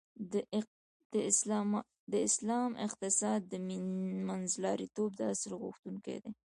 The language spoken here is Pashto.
د اسلام اقتصاد د منځلاریتوب د اصل غوښتونکی دی .